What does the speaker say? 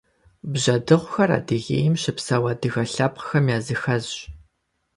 Бжьэдыгъухэр Адыгейм щыпсэу адыгэ лъэпкъхэм языхэзщ.